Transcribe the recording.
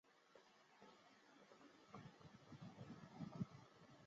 生态系统只是环境系统中的一个部分。